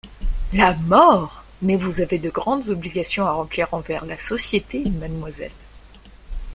La mort! mais vous avez de grandes obligations à remplir envers la Société, mademoiselle.